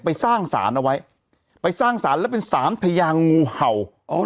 ไปสร้างสารเอาไว้ไปสร้างสารแล้วเป็นสารพญางูเห่า